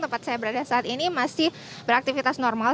tempat saya berada saat ini masih beraktivitas normal